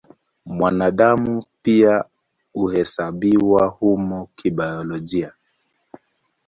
Mwanadamu pia huhesabiwa humo kibiolojia.